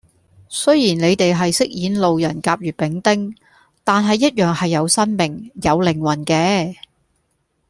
雖然你哋係飾演路人甲乙丙丁，但係一樣係有生命，有靈魂嘅